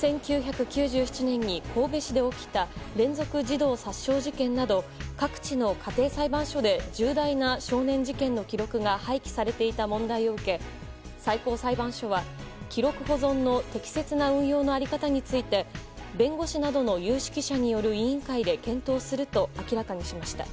１９９７年に神戸市で起きた連続児童殺傷事件など各地の家庭裁判所で重大な少年事件の記録が廃棄されていた問題を受け最高裁判所は記録保存の適切な運用の在り方について弁護士などの有識者による委員会で検討すると明らかにしました。